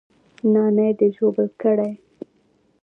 نانى دې ژوبل کړى.